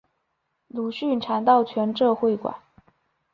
鲁迅常到全浙会馆。